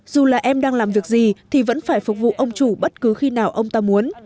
dù là em đang làm việc gì thì vẫn phải phục vụ ông chủ bất cứ khi nào ông ta muốn